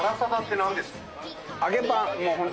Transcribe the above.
揚げパン。